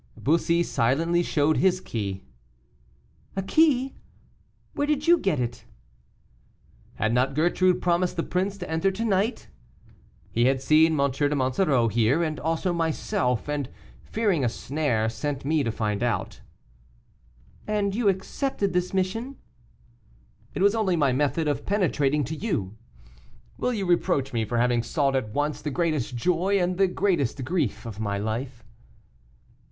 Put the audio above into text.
Bussy silently showed his key. "A key! where did you get it?" "Had not Gertrude promised the prince to enter tonight? He had seen M. de Monsoreau here, and also myself, and fearing a snare, sent me to find out." "And you accepted this mission?" "It was my only method of penetrating to you. Will you reproach me for having sought at once the greatest joy and the greatest grief of my life?"